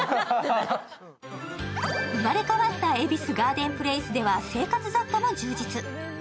生まれ変わった恵比寿ガーデンプレイスでは生活雑貨も充実。